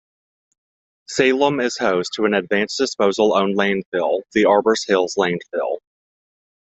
Salem is host to an Advanced Disposal-owned landfill, the Arbor Hills Landfill.